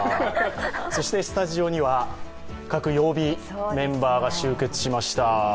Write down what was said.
そしてスタジオには各曜日メンバーが集結しました。